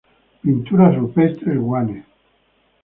Pinturas rupestres Guane